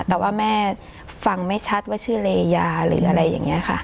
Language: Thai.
แต่ว่าแม่ฟังไม่ชัดว่าชื่อเลยาหรืออะไรอย่างนี้ค่ะ